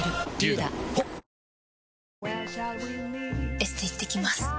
エステ行ってきます。